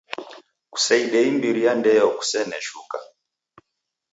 Kuseide imbiri ya ndeo kusene shuka.